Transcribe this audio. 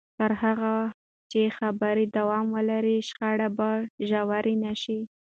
تر هغه چې خبرې دوام ولري، شخړې به ژورې نه شي.